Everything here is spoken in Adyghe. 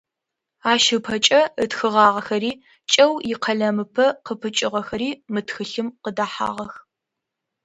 Ащ ыпэкӏэ ытхыгъагъэхэри, кӏэу икъэлэмыпэ къыпыкӏыгъэхэри мы тхылъым къыдэхьагъэх.